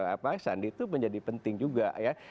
apa sandi itu menjadi penting juga ya